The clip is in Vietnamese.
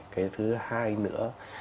cái thứ hai nữa